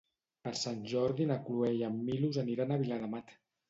Per Sant Jordi na Cloè i en Milos aniran a Viladamat.